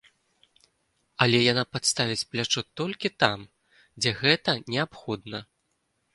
Але яна падставіць плячо толькі там, дзе гэта неабходна.